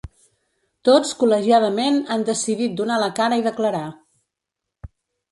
Tots col•legiadament han decidit donar la cara i declarar.